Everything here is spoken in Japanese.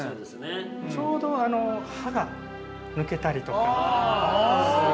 ちょうど歯が抜けたりとかする。